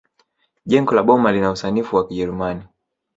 jengo la boma lina usanifu wa kijerumani